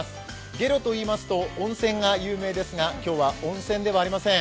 下呂というと温泉が有名ですが今日は温泉ではありません。